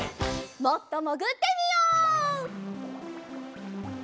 もっともぐってみよう。